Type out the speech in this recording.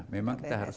memang kita harus